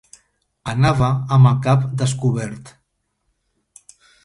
Anava amb el cap descobert